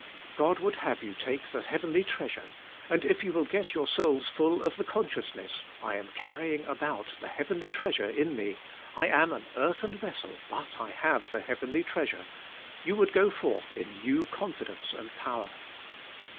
God would have you take the heavenly treasure, and if you will get your souls full of the consciousness, I am carrying about the heavenly treasure in me, I am an earthen vessel, but I have the heavenly treasure, you would go forth in new confidence and power.